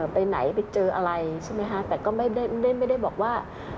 ไปไหนไปเจออะไรใช่มั้ยครับแต่ก็ไม่ได้บอกว่า